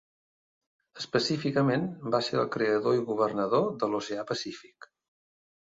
Específicament, va ser el creador i governador de l'Oceà Pacífic.